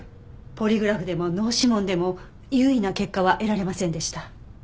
ポリグラフでも脳指紋でも有意な結果は得られませんでした。